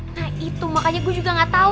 nah itu makanya gue juga nggak tau